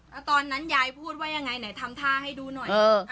แล้วตอนนั้นยายพูดว่ายังไงไหนทำท่าให้ดูหน่อย